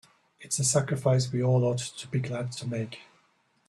It's a sacrifice we all ought to be glad to make.